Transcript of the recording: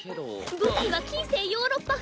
舞台は近世ヨーロッパ風。